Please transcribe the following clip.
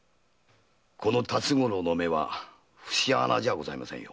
この辰五郎の目は節穴じゃございませんよ。